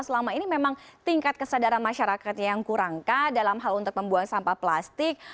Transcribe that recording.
selama ini memang tingkat kesadaran masyarakatnya yang kurangkah dalam hal untuk membuang sampah plastik